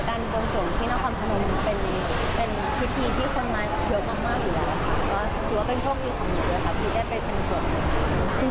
ก็คือว่าเป็นโชคดีของหนูเลยค่ะดูได้เป็นส่วนหนู